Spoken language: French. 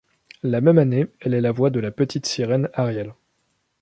La même année, elle est la voix de la petite sirène Ariel.